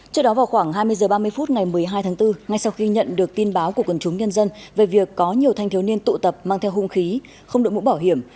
trước đó vào khoảng hai mươi h ba mươi phút ngày một mươi hai tháng bốn ngay sau khi nhận được tin báo của quần chúng nhân dân về việc có nhiều thanh thiếu niên tụ tập mang theo hung khí không đội mũ bảo hiểm